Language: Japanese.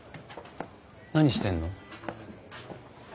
何してるの？